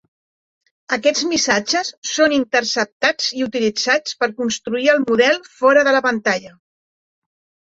Aquests missatges són interceptats i utilitzats per construir el model fora de la pantalla.